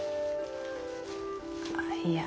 はい。